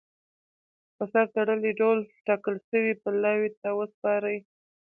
کي په سر تړلي ډول ټاکل سوي پلاوي ته وسپاري.